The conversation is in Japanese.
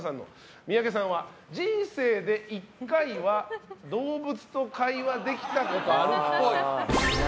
三宅さんは、人生で１回は動物と会話できたことあるっぽい。